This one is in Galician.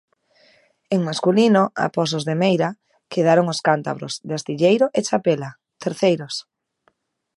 En masculino, após os de Meira quedaron os cántabros de Astilleiro e Chapela, terceiros.